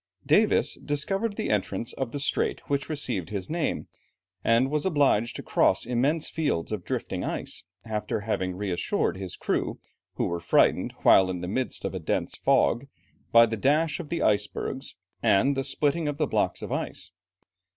Davis discovered the entrance of the strait which received his name, and was obliged to cross immense fields of drifting ice, after having reassured his crew, who were frightened while in the midst of a dense fog, by the dash of the icebergs, and the splitting of the blocks of ice.